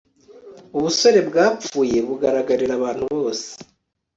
ubusore bwapfuye bugararira abantu bose